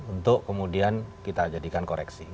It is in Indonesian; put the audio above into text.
untuk kemudian kita jadikan koreksi